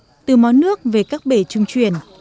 dài hơn hai một trăm linh mét từ món nước về các bể trung chuyển